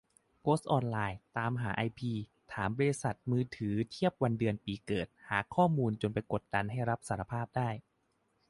โพสต์ออนไลน์ ตามไอพี ถามบริษัทมือถือเทียบวันเดือนปีเกิด หาข้อมูลจนไปกดดันให้รับสารภาพได้